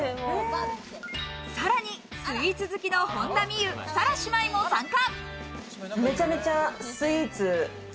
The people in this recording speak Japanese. さらにスイーツ好きの本田望結、紗来姉妹も参加。